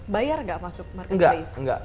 bayar nggak masuk marketplace